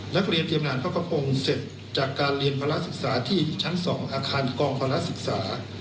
นักเรียนเตรียมงานพระกระพงศ์เสร็จจากการเรียนภาระศึกษาที่ชั้น๒อาคารกองภาระศึกษา